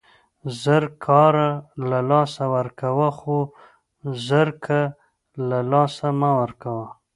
زر کاره له لاسه ورکوه، خو زرکه له له لاسه مه ورکوه!